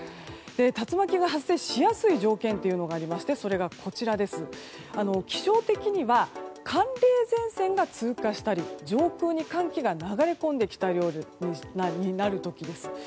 竜巻が発生しやすい条件というのがありましてそれが、気象的には寒冷前線が通過したり上空に寒気が流れ込んできたりする時です。